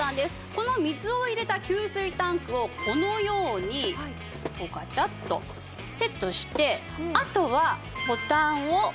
この水を入れた給水タンクをこのようにガチャッとセットしてあとはボタンを押すだけです。